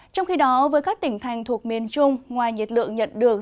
trong khi đó với các tỉnh thành thuộc miền trung ngoài nhiệt lượng nhận được